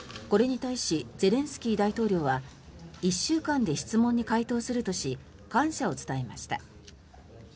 これに対しゼレンスキー大統領は１週間で質問に回答するとし感謝を伝えました。